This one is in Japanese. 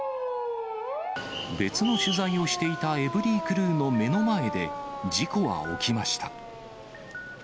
別の取材をしていたエブリィクルーの目の前で、事故は起きました。